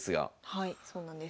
はいそうなんです。